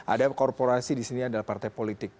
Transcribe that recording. ada korporasi di sini adalah partai politik